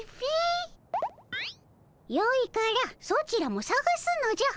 よいからソチらもさがすのじゃ。